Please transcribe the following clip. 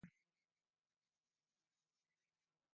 Born in Sault Ste.